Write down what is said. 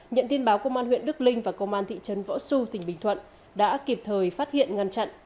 nhận tin báo công an huyện đức linh và công an thị trấn võ xu tỉnh bình thuận đã kịp thời phát hiện ngăn chặn